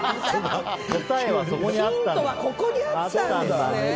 ヒントはここにあったんですね。